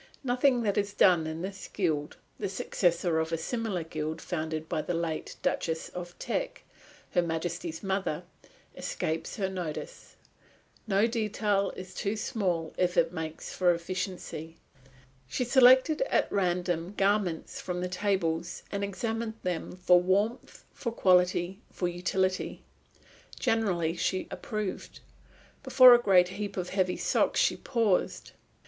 Nothing that is done in this Guild, the successor of a similar guild founded by the late Duchess of Teck, Her Majesty's mother, escapes her notice. No detail is too small if it makes for efficiency. She selected at random garments from the tables, and examined them for warmth, for quality, for utility. Generally she approved. Before a great heap of heavy socks she paused.